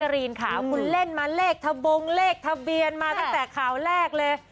รีนค่ะคุณเล่นมาเลขทะบงเลขทะเบียนมาตั้งแต่ข่าวแรกเลย